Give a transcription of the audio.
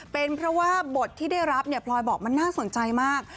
เป็นเพราะว่าบทที่ได้รับเนี่ยพลอยบอกมันน่าสนใจมาก